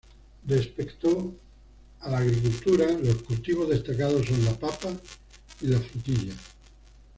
Respecto a la agricultura, los cultivos destacados son la papa y la frutilla.